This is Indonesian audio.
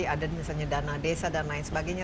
ada misalnya dana desa dan lain sebagainya